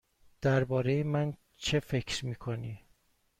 درباره من چه فکر می کنی؟